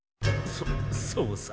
そそうさ。